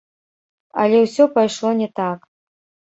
Але усё пайшло не так.